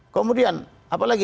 kemudian apa lagi